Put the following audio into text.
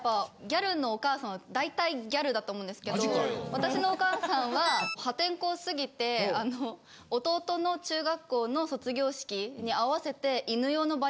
私のお母さんは破天荒すぎて弟の中学校の卒業式にあわせて。